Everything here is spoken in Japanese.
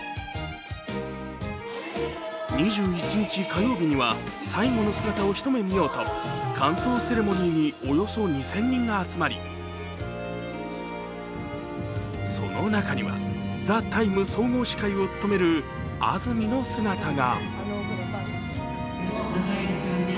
２１日火曜日には最後の姿を一目見ようと歓送セレモニーにおよそ２０００人が集まり、その中には、「ＴＨＥＴＩＭＥ，」総合司会を務める安住の姿が。